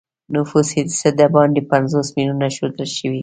نفوس یې څه د باندې پنځوس میلیونه ښودل شوی.